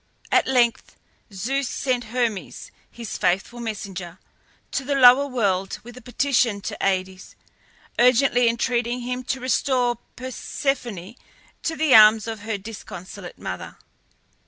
At length Zeus sent Hermes, his faithful messenger, to the lower world with a petition to Aïdes, urgently entreating him to restore Persephone to the arms of her disconsolate mother.